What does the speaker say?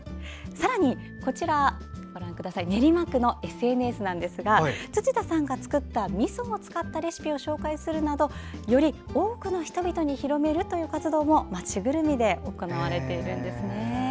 さらに、こちら練馬区のＳＮＳなんですが辻田さんが作ったみそを使ったレシピを紹介するなどより多くの人々に広める活動も街ぐるみで行われているんです。